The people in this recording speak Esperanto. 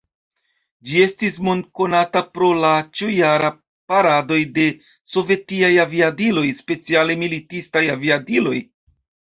Ĝi estis mondkonata pro la ĉiujaraj paradoj de sovetiaj aviadiloj, speciale militistaj aviadiloj.